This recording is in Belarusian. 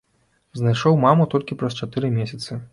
Знайшоў маму толькі праз чатыры месяцы.